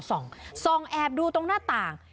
ส่องแอบดูตรงหน้าต่าง